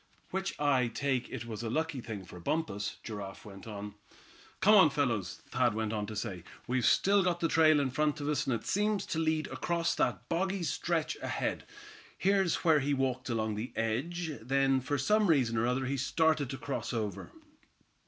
"Which I take it was a lucky thing for Bumpus," Giraffe went on. "Come on, fellows," Thad went on to say, "we've still got the trail in front of us, and it seems to lead across that boggy stretch ahead. Here's where he walked along the edge. Then for some reason or other he started to cross over."